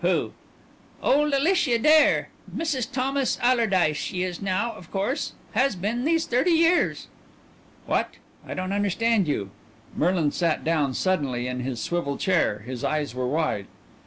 "Who?" "Old Alicia Dare. Mrs. Thomas Allerdyce she is now, of course; has been, these thirty years." "What? I don't understand you." Merlin sat down suddenly in his swivel chair; his eyes were wide.